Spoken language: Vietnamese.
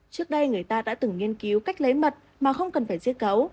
trước đây người ta đã từng nghiên cứu cách lấy mật mà không cần phải giết cấu